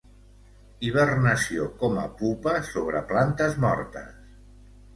Hibernació com a pupa sobre plantes mortes.